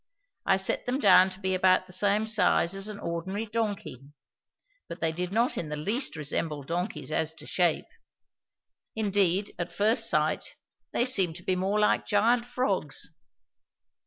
I set them down to be about the same size as an ordinary donkey, but they did not in the least resemble donkeys as to shape; indeed at first sight they seemed to be more like gigantic frogs.